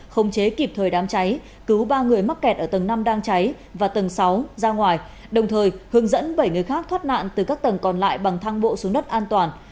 không chế kịp thời đám cháy cứu ba người mắc kẹt ở tầng năm đang cháy và tầng sáu ra ngoài đồng thời hướng dẫn bảy người khác thoát nạn từ các tầng còn lại bằng thang bộ xuống đất an toàn